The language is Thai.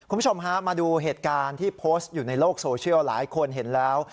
คุณผู้ชมฮะมาดูเหตุการณ์ที่โพสต์อยู่ในโลกโซเชียลหลายคนเห็นแล้ว